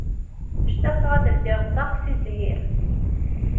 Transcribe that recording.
Ctaqeɣ ad ldiɣ ṭṭaq seg zhir.